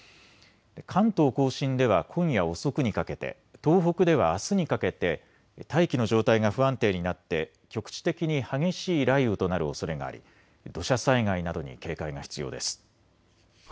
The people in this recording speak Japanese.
関東甲信では今夜遅くにかけて、東北ではあすにかけて大気の状態が不安定になって局地的に激しい雷雨となるおそれがあり土砂災害などに警戒が必要です。